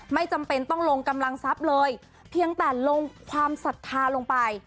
ไม่จำเป็นต้องลงกำลังทรัพย์เลยเพียงแต่ลงความศรัทธาลงไป